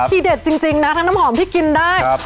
ที่เด็ดจริงจริงนะทั้งน้ำหอมพริกกินได้ครับ